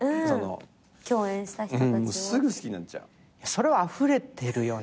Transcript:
それあふれてるよね。